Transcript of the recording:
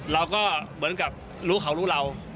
เราก็เหมือนกับลูกเขาลูกราว